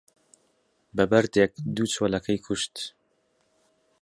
بە بەردێک دوو چۆلەکەی کوشت